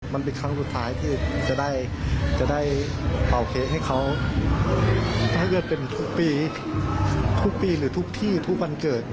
มันเป็นครั้งสุดท้ายที่จะได้เป่าเค้กให้เขาให้เป็นทุกปีทุกปีหรือทุกที่ทุกวันเกิด